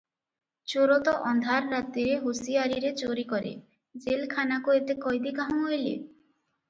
ଚୋର ତ ଅନ୍ଧାର ରାତିରେ ହୁସିଆରୀରେ ଚୋରି କରେ, ଜେଲଖାନାକୁ ଏତେ କଏଦୀ କାହୁଁ ଅଇଲେ?